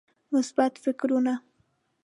مثبت فکرونه